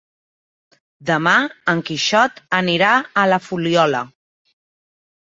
Demà en Quixot anirà a la Fuliola.